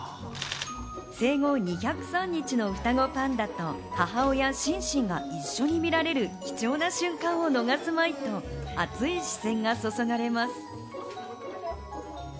生後２０３日の双子パンダと母親・シンシンが一緒に見られる貴重な瞬間を逃すまいと熱い視線がそそがれます。